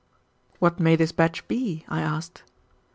"What may this badge be?" I asked.